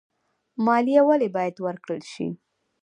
مالیه ولې باید ورکړل شي؟